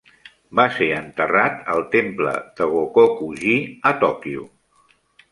Va ser enterrat al temple de Gokoku-ji, a Tòquio.